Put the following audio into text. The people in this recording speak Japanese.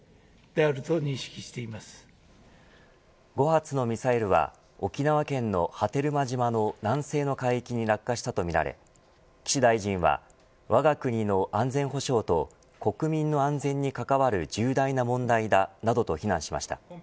５発のミサイルは沖縄県の波照間島の南西の海域に落下したとみられ岸大臣はわが国の安全保障と国民の安全に関わる重大な問題だなどと非難しました。